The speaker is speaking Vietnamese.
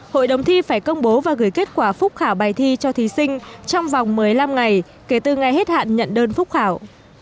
hội đồng thi phải công bố và gửi kết quả phúc khảo bài thi cho thí sinh trong vòng một mươi năm ngày kể từ ngày hết hạn nhận đơn phúc khảo